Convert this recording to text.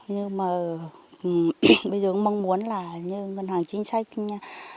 nhưng bây giờ mong muốn là như văn hóa chính sách